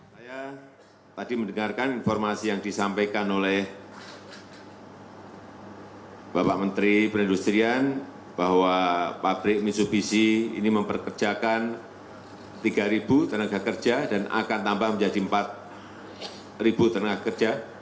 saya tadi mendengarkan informasi yang disampaikan oleh bapak menteri perindustrian bahwa pabrik misubisi ini memperkerjakan tiga tenaga kerja dan akan tambah menjadi empat tenaga kerja